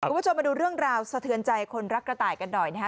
คุณผู้ชมมาดูเรื่องราวสะเทือนใจคนรักกระต่ายกันหน่อยนะฮะ